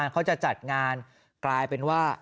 ก็จะกลายเป็นว่า